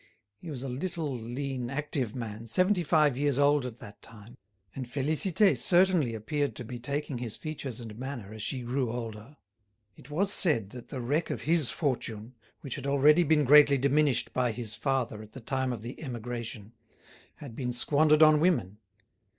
He was a little, lean, active man, seventy five years old at that time, and Félicité certainly appeared to be taking his features and manner as she grew older. It was said that the wreck of his fortune, which had already been greatly diminished by his father at the time of the Emigration, had been squandered on women.